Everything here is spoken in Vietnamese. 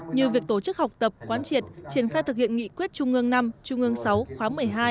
như việc tổ chức học tập quán triệt triển khai thực hiện nghị quyết trung ương năm trung ương sáu khóa một mươi hai